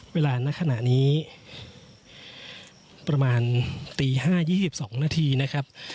เวลานักขณะนี้ประมาณตีห้ายี่สิบสองนาทีนะครับ